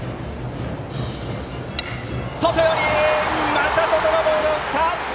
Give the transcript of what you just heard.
また外のボールを打った！